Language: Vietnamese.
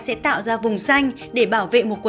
sẽ tạo ra vùng xanh để bảo vệ một